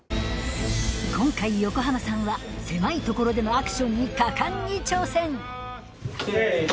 今回横浜さんは狭い所でのアクションに果敢に挑戦・せの・・